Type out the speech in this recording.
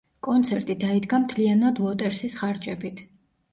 კონცერტი დაიდგა მთლიანად უოტერსის ხარჯებით.